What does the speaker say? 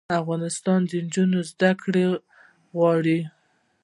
د افغانستان نجونې زده کړې غواړي